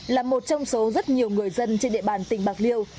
là một trong số rất nhiều người dân trên địa bàn tỉnh bạc liêu